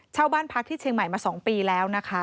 เช่าบ้านพักที่เชียงใหม่มา๒ปีแล้ว